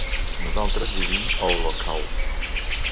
Nosaltres vivim a Olocau.